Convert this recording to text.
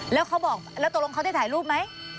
แล้วเขาบอกแล้วตกลงเขาได้ถ่ายรูปไหม